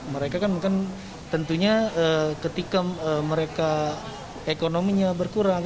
mereka kan tentunya ketika mereka ekonominya berkurang